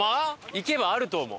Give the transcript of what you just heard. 行けばあると思う！